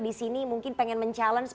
di sini mungkin pengen men challenge